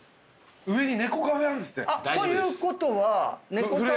上に猫カフェあるんですって。ということは。